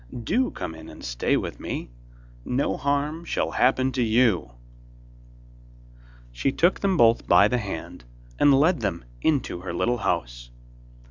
do come in, and stay with me. No harm shall happen to you.' She took them both by the hand, and led them into her little house.